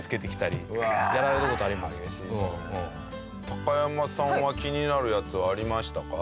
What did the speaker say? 高山さんは気になるやつありましたか？